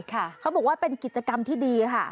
เขาบอกว่าเป็นกิจกรรมที่ดีค่ะ